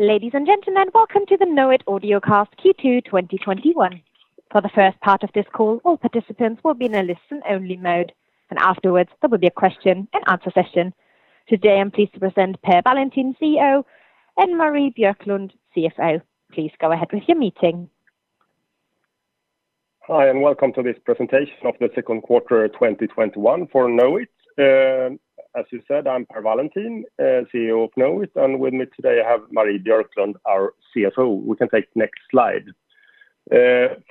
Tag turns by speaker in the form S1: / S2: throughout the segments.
S1: Ladies and gentlemen, welcome to the Knowit Audiocast Q2 2021. For the first part of this call, all participants will be in a listen-only mode, and afterwards there will be a question-and-answer session. Today I'm pleased to present Per Wallentin, CEO, and Marie Björklund, CFO. Please go ahead with your meeting.
S2: Hi, welcome to this presentation of the second quarter 2021 for Knowit. As you said, I'm Per Wallentin, CEO of Knowit, and with me today I have Marie Björklund, our CFO. We can take next slide.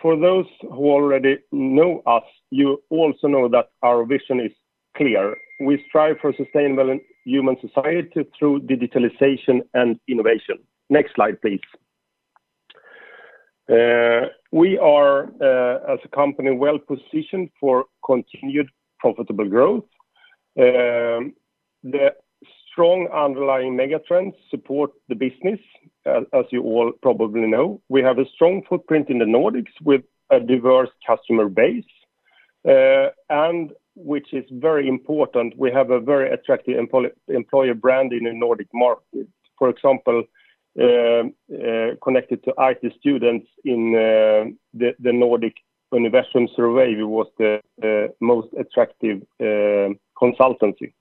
S2: For those who already know us, you also know that our vision is clear. We strive for sustainable human society through digitalization and innovation. Next slide, please. We are, as a company, well-positioned for continued profitable growth. The strong underlying megatrends support the business, as you all probably know. We have a strong footprint in the Nordics with a diverse customer base. Which is very important, we have a very attractive employer brand in the Nordic market. For example, connected to IT students in the Nordic University survey, was the most attractive consultancy.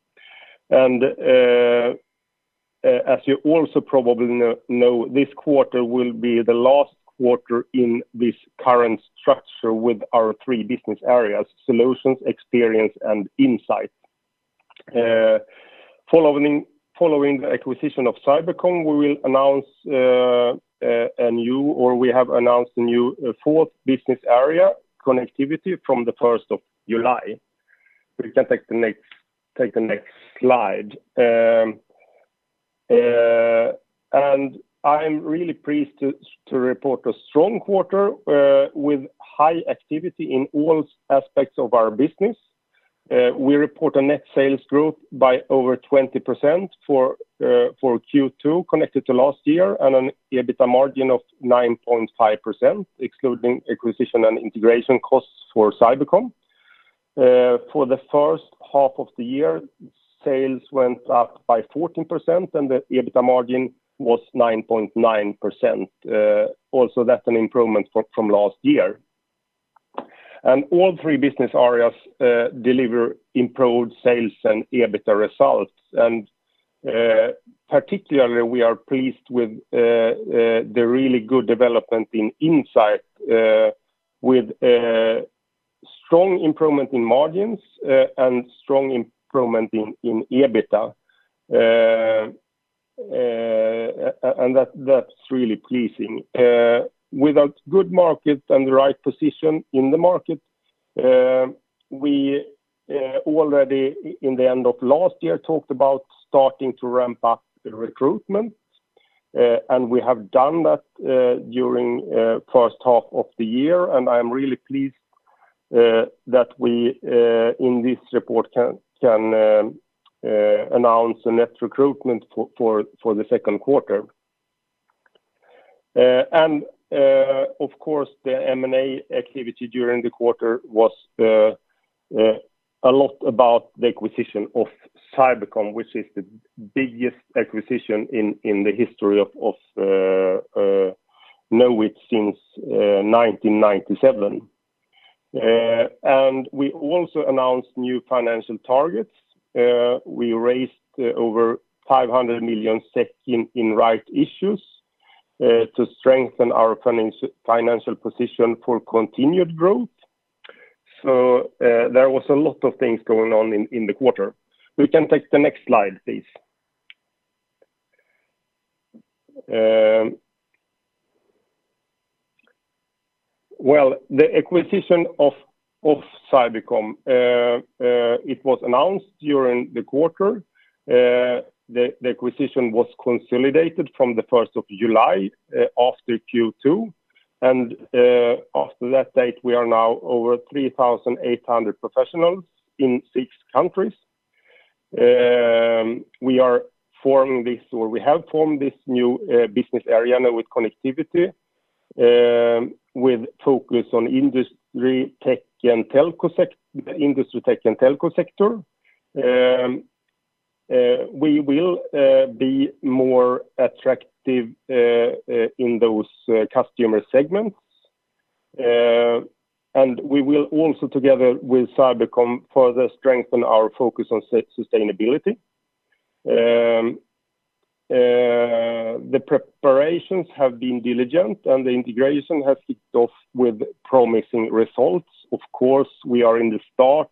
S2: As you also probably know, this quarter will be the last quarter in this current structure with our three business areas: Solutions, Experience, and Insight. Following the acquisition of Cybercom, we have announced a new fourth business area, Connectivity, from the first of July. We can take the next slide. I'm really pleased to report a strong quarter, with high activity in all aspects of our business. We report a net sales growth by over 20% for Q2 connected to last year, and an EBITA margin of 9.5%, excluding acquisition and integration costs for Cybercom. For the first half of the year, sales went up by 14% and the EBITA margin was 9.9%. Also, that's an improvement from last year. All three business areas deliver improved sales and EBITA results, particularly, we are pleased with the really good development in Insight, with strong improvement in margins and strong improvement in EBITA. That's really pleasing. With a good market and the right position in the market, we already, in the end of last year, talked about starting to ramp up the recruitment. We have done that during first half of the year, and I'm really pleased that we, in this report, can announce a net recruitment for the second quarter. Of course, the M&A activity during the quarter was a lot about the acquisition of Cybercom, which is the biggest acquisition in the history of Knowit since 1997. We also announced new financial targets. We raised over 500 million SEK in right issues to strengthen our financial position for continued growth. There was a lot of things going on in the quarter. We can take the next slide, please. Well, the acquisition of Cybercom, it was announced during the quarter. The acquisition was consolidated from the first of July after Q2. After that date, we are now over 3,800 professionals in six countries. We have formed this new business area, Knowit Connectivity, with focus on industry tech and telco sector. We will be more attractive in those customer segments. We will also, together with Cybercom, further strengthen our focus on sustainability. The preparations have been diligent and the integration has kicked off with promising results. Of course, we are in the start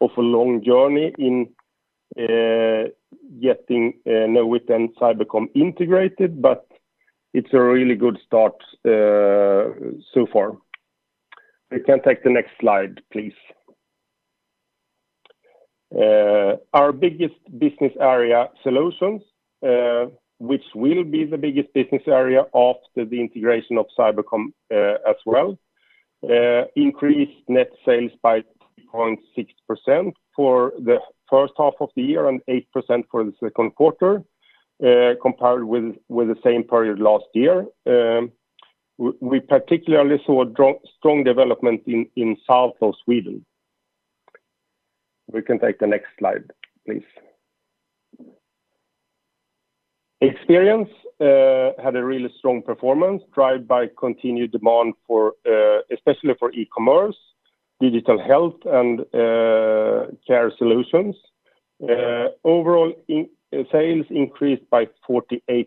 S2: of a long journey in getting Knowit and Cybercom integrated, but it's a really good start so far. We can take the next slide, please. Our biggest business area, Solutions, which will be the biggest business area after the integration of Cybercom as well, increased net sales by 3.6% for the first half of the year and 8% for the second quarter, compared with the same period last year. We particularly saw a strong development in south of Sweden. We can take the next slide, please. Experience had a really strong performance, driven by continued demand especially for e-commerce, digital health, and care solutions. Sales increased by 48%,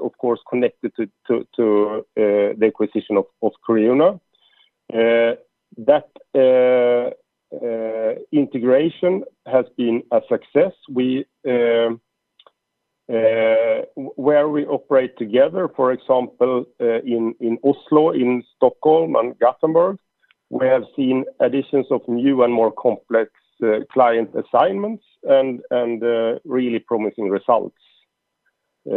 S2: of course, connected to the acquisition of Creuna. That integration has been a success. Where we operate together, for example, in Oslo, in Stockholm, and Gothenburg, we have seen additions of new and more complex client assignments and really promising results. I'm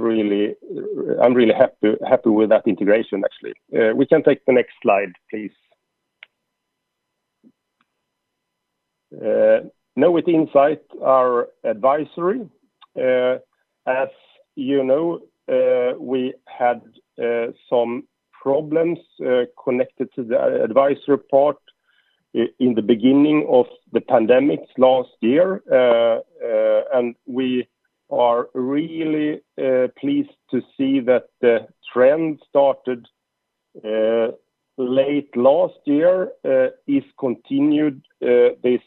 S2: really happy with that integration, actually. We can take the next slide, please. Knowit Insight, our advisory. As you know, we had some problems connected to the advisory part in the beginning of the pandemic last year. We are really pleased to see that the trend started late last year, is continued this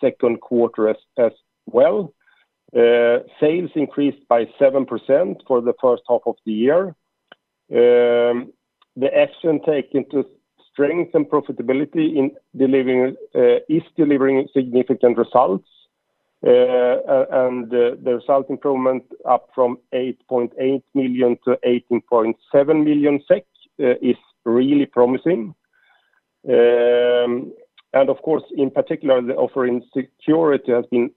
S2: second quarter as well. Sales increased by 7% for the first half of the year. The action taken to strengthen profitability is delivering significant results, and the result improvement up from 8.8 million-18.7 million SEK is really promising. Of course, in particular, the offering security has been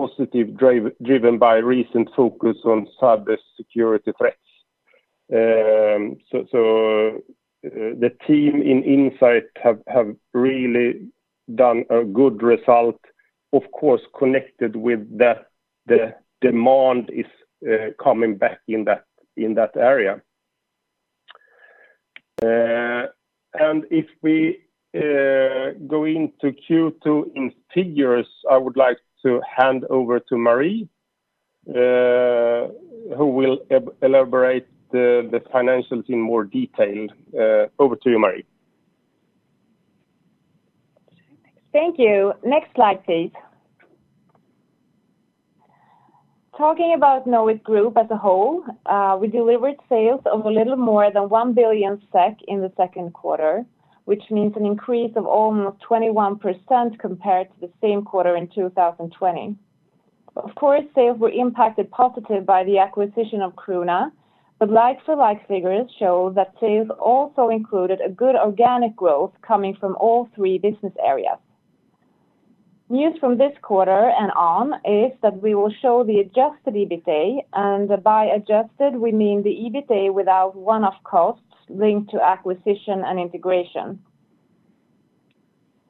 S2: positive, driven by recent focus on cybersecurity threats. The team in Insight have really done a good result, of course, connected with the demand is coming back in that area. If we go into Q2 in figures, I would like to hand over to Marie, who will elaborate the financials in more detail. Over to you, Marie.
S3: Thank you, next slide, please. Talking about Knowit Group as a whole, we delivered sales of a little more than 1 billion SEK in the second quarter, which means an increase of almost 21% compared to the same quarter in 2020. Of course, sales were impacted positive by the acquisition of Creuna. Like-for-like figures show that sales also included a good organic growth coming from all three business areas. News from this quarter and on is that we will show the adjusted EBITA. By adjusted we mean the EBITA without one-off costs linked to acquisition and integration.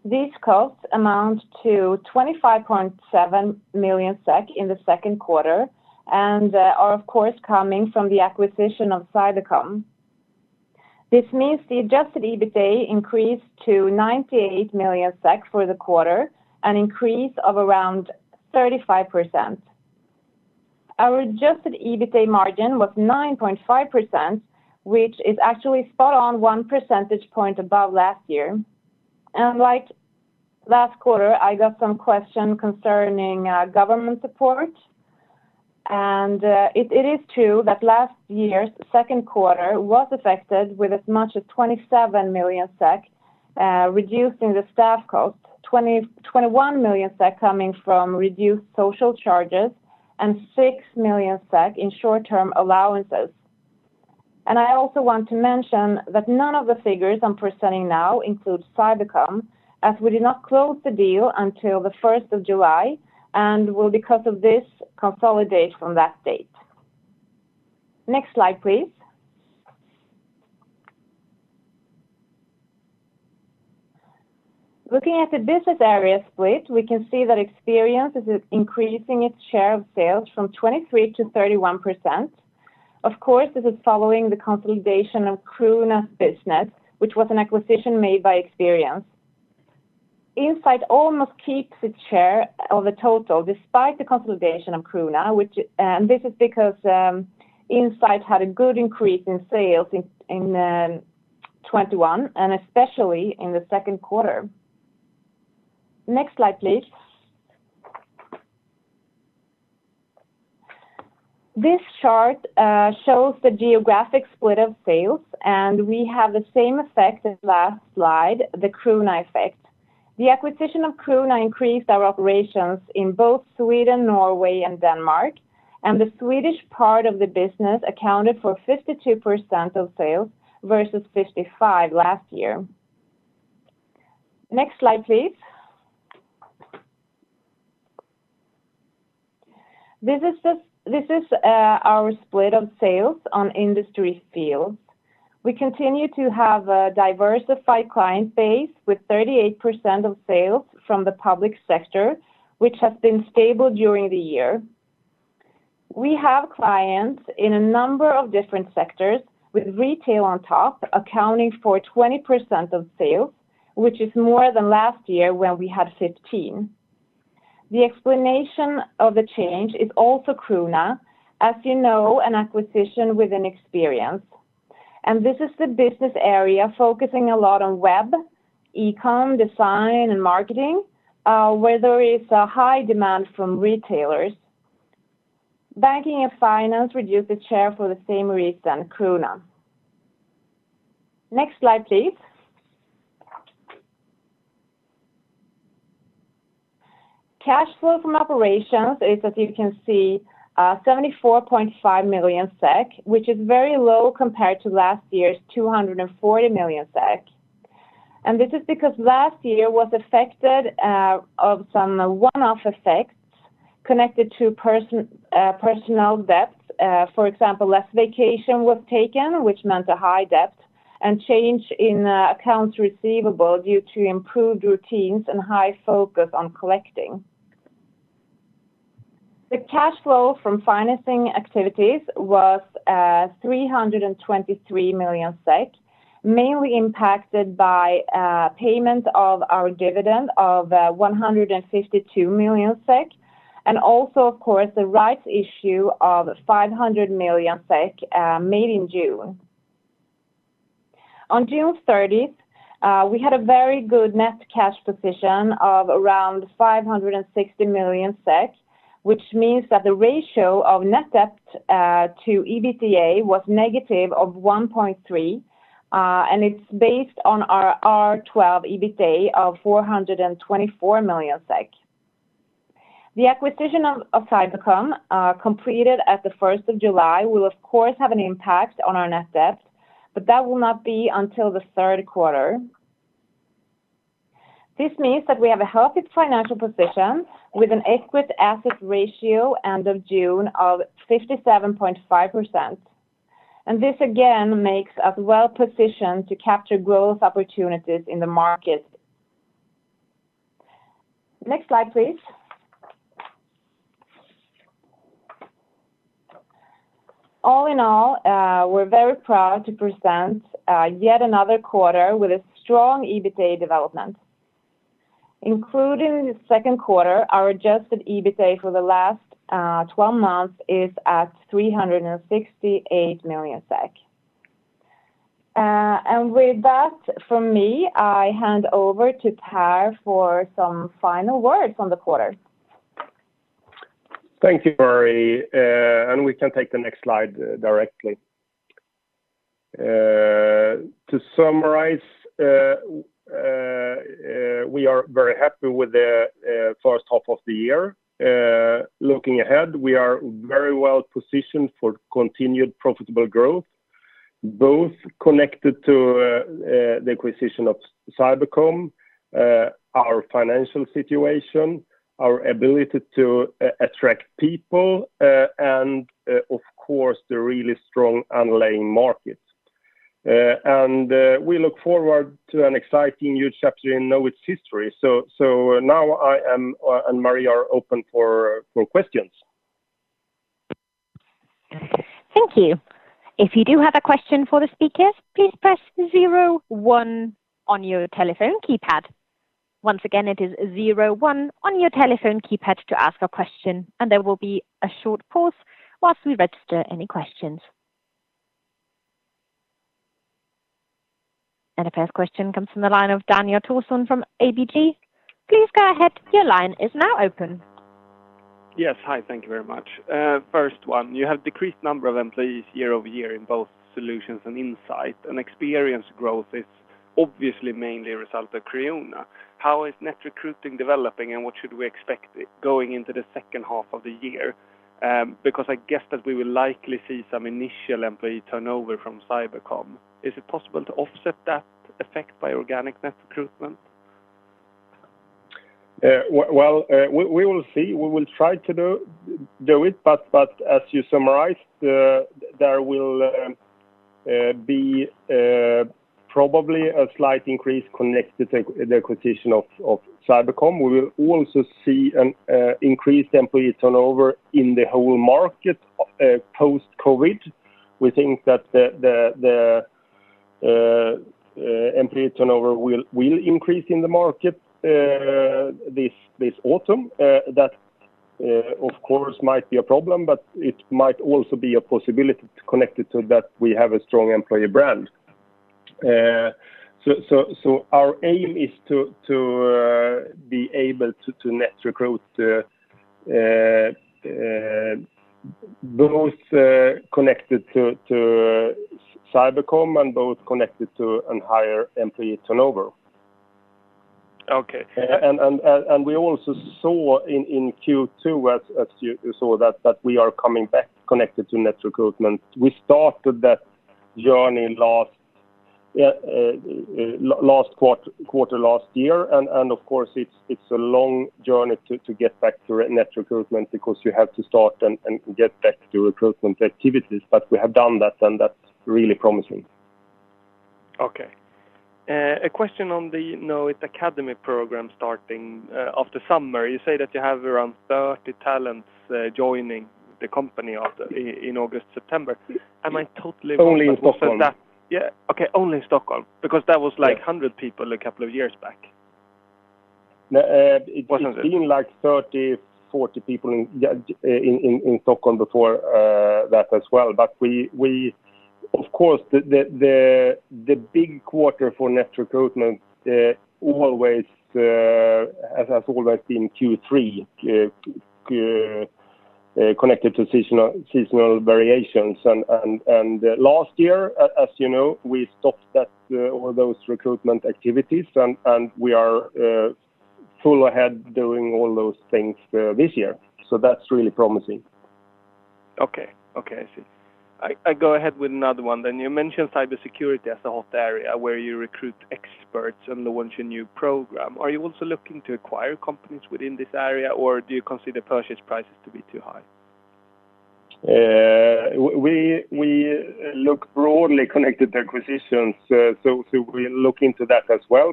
S3: These costs amount to 25.7 million SEK in the second quarter and are, of course, coming from the acquisition of Cybercom. This means the adjusted EBITA increased to 98 million SEK for the quarter, an increase of around 35%. Our adjusted EBITA margin was 9.5%, which is actually spot on one percentage point above last year. Like last quarter, I got some question concerning government support. It is true that last year's second quarter was affected with as much as 27 million SEK, reducing the staff cost, 21 million SEK coming from reduced social charges and 6 million SEK in short-term allowances. I also want to mention that none of the figures I'm presenting now include Cybercom, as we did not close the deal until the first of July, and will because of this consolidate from that date. Next slide, please. Looking at the business area split, we can see that Experience is increasing its share of sales from 23%-31%. Of course, this is following the consolidation of Creuna's business, which was an acquisition made by Experience. Insight almost keeps its share of the total despite the consolidation of Creuna. This is because Insight had a good increase in sales in 2021, especially in the second quarter. Next slide, please. This chart shows the geographic split of sales. We have the same effect as last slide, the Creuna effect. The acquisition of Creuna increased our operations in both Sweden, Norway, and Denmark. The Swedish part of the business accounted for 52% of sales versus 55% last year. Next slide, please. This is our split of sales on industry field. We continue to have a diversified client base with 38% of sales from the public sector, which has been stable during the year. We have clients in a number of different sectors, with retail on top, accounting for 20% of sales, which is more than last year when we had 15%. The explanation of the change is also Creuna, as you know, an acquisition within Experience. This is the business area focusing a lot on web, eCom, design, and marketing, where there is a high demand from retailers. Banking and finance reduced the share for the same reason as Creuna. Next slide, please. Cash flow from operations is, as you can see, 74.5 million SEK, which is very low compared to last year's 240 million SEK. This is because last year was affected of some one-off effects connected to personnel debts. For example, less vacation was taken, which meant a high debt and change in accounts receivable due to improved routines and high focus on collecting. The cash flow from financing activities was 323 million SEK, mainly impacted by payment of our dividend of 152 million SEK, and also, of course, the rights issue of 500 million SEK made in June. On June 30, we had a very good net cash position of around 560 million SEK. Which means that the ratio of net debt to EBITDA was negative of 1.3, and it's based on our R12 EBITDA of 424 million SEK. The acquisition of Cybercom completed at the first of July will, of course, have an impact on our net debt, but that will not be until the third quarter. This means that we have a healthy financial position with an equity asset ratio end of June of 67.5%. This again makes us well-positioned to capture growth opportunities in the market. Next slide, please. All in all, we're very proud to present yet another quarter with a strong EBITDA development. Including the second quarter, our adjusted EBITDA for the last 12 months is at 368 million SEK. With that from me, I hand over to Per for some final words on the quarter.
S2: Thank you, Marie. We can take the next slide directly. To summarize, we are very happy with the first half of the year. Looking ahead, we are very well positioned for continued profitable growth, both connected to the acquisition of Cybercom, our financial situation, our ability to attract people, and of course, the really strong underlying market. We look forward to an exciting new chapter in Knowit's history. Now I and Marie are open for questions.
S1: Thank you, if you do have a question for the speakers, please press zero one on your telephone keypad. Once again, it is zero one on your telephone keypad to ask a question, and there will be a short pause whilst we register any questions. The first question comes from the line of Daniel Thorsson from ABG Sundal Collier. Please go ahead, your line is now open.
S4: Yes, hi, thank you very much. First one, you have decreased number of employees year-over-year in both Solutions and Insight. Experience growth is obviously mainly a result of Creuna. How is net recruiting developing, and what should we expect going into the second half of the year? I guess that we will likely see some initial employee turnover from Cybercom. Is it possible to offset that effect by organic net recruitment?
S2: Well, we will see. We will try to do it, but as you summarized, there will be probably a slight increase connected to the acquisition of Cybercom. We will also see an increased employee turnover in the whole market post-COVID. We think that the employee turnover will increase in the market this autumn. That, of course, might be a problem, but it might also be a possibility connected to that we have a strong employee brand. Our aim is to be able to net recruit both connected to Cybercom and both connected to higher employee turnover.
S4: Okay.
S2: We also saw in Q2, as you saw, that we are coming back connected to net recruitment. We started that journey last quarter last year, of course, it's a long journey to get back to net recruitment because you have to start and get back to recruitment activities. We have done that's really promising.
S4: Okay, a question on the Knowit Academy program starting after summer. You say that you have around 30 talents joining the company in August, September. Am I totally-
S2: Only in Stockholm.
S4: Yeah, okay, only in Stockholm. That was like 100 people a couple of years back.
S2: It has been like 30, 40 people in Stockholm before that as well. Of course, the big quarter for net recruitment has always been Q3, connected to seasonal variations. Last year, as you know, we stopped all those recruitment activities, and we are full ahead doing all those things this year, that's really promising.
S4: Okay, I see. I go ahead with another one. You mentioned cybersecurity as a hot area where you recruit experts and launch a new program. Are you also looking to acquire companies within this area, or do you consider purchase prices to be too high?
S2: We look broadly connected to acquisitions. We look into that as well.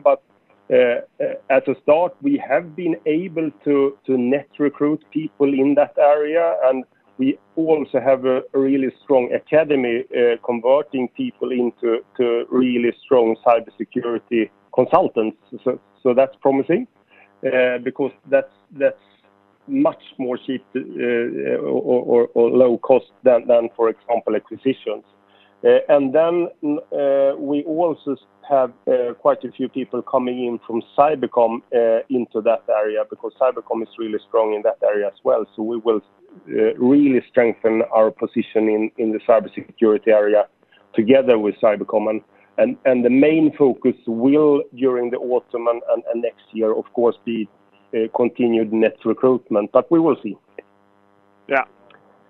S2: At the start, we have been able to net recruit people in that area, and we also have a really strong Knowit Academy converting people into really strong cybersecurity consultants. That's promising, because that's much more cheap or low cost than, for example, acquisitions. We also have quite a few people coming in from Cybercom into that area, because Cybercom is really strong in that area as well. We will really strengthen our position in the cybersecurity area together with Cybercom. The main focus will, during the autumn and next year, of course, be continued net recruitment, but we will see.
S4: Yeah,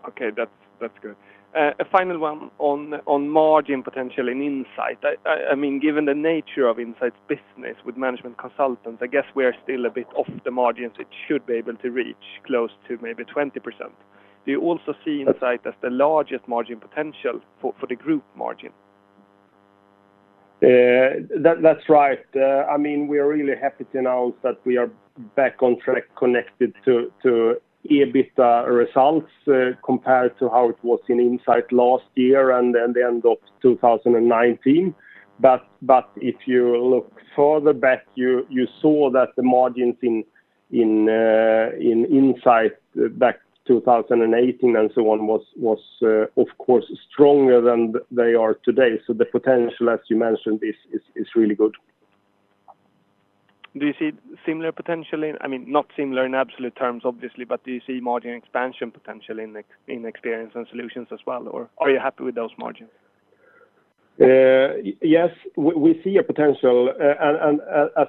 S4: okay, that's good. A final one on margin potential in Insight. Given the nature of Insight's business with management consultants, I guess we are still a bit off the margins it should be able to reach, close to maybe 20%. Do you also see Insight as the largest margin potential for the group margin?
S2: That's right, we are really happy to announce that we are back on track connected to EBITA results compared to how it was in Insight last year and then the end of 2019. If you look further back, you saw that the margins in Insight back 2018 and so on was, of course, stronger than they are today. The potential, as you mentioned, is really good.
S4: Do you see similar potential in, not similar in absolute terms, obviously, but do you see margin expansion potential in Experience and Solutions as well, or are you happy with those margins?
S2: As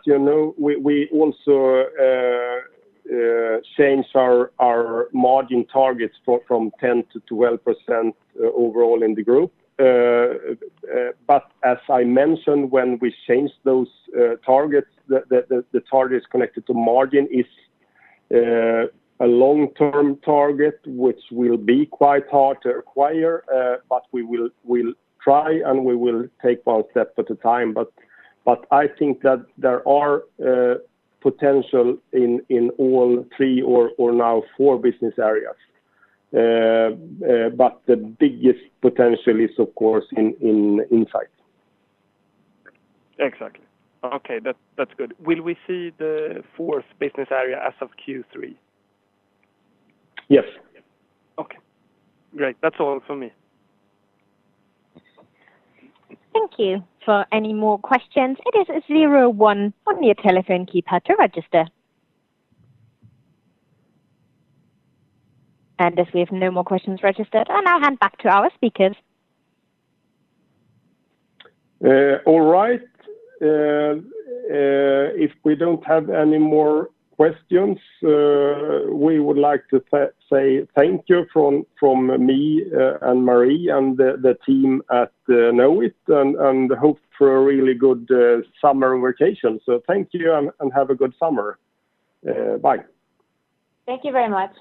S2: you know, we also changed our margin targets from 10%-12% overall in the group. As I mentioned, when we change those targets, the targets connected to margin is a long-term target, which will be quite hard to acquire. We will try, and we will take one step at a time. I think that there are potential in all three or now four business areas. The biggest potential is, of course, in Insight.
S4: Exactly, okay, that's good. Will we see the fourth business area as of Q3?
S2: Yes.
S4: Okay, great, that's all from me.
S1: Thank you, for any more questions, it is zero one on your telephone keypad to register. If there's no more questions registered, then I hand back to our speakers.
S2: All right, if we don't have any more questions, we would like to say thank you from me and Marie and the team at Knowit, and hope for a really good summer vacation. Thank you, and have a good summer, bye.
S3: Thank you very much.